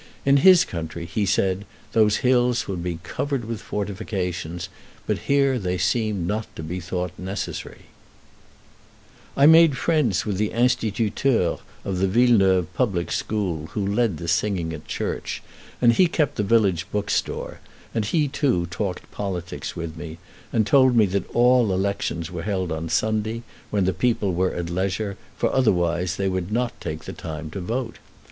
In his country, he said, those hills would be covered with fortifications, but here they seemed not to be thought necessary. [Illustration: The Market at Vevey] I made friends with the instituteur of the Villeneuve public school, who led the singing at church, and kept the village book store; and he too talked politics with me, and told me that all elections were held on Sunday, when the people were at leisure, for otherwise they would not take the time to vote.